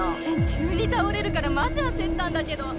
急に倒れるからマジ焦ったんだけど。